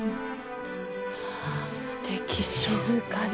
すてき静かで。